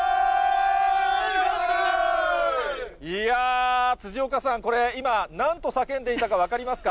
いやー、辻岡さん、今、なんと叫んでいたか分かりますか？